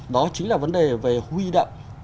đó chính là vấn đề về huy động